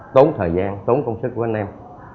tốn thời gian tốn công sức của anh em